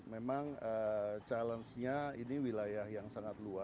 memang challenge nya ini wilayah yang sangat luas